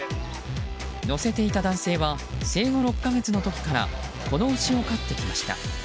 乗せていた男性は生後６か月の時からこの牛を飼ってきました。